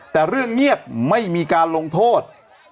แต่เรื่องเงียบไม่มีการลงโทษ